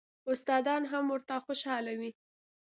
استادان هم ورته خوشاله وي.